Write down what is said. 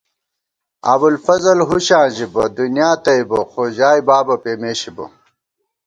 ابُوالفضل ہُݭاں ژِبہ ، دُنیا تئیبہ خو ژائےبابہ پېمېشِبہ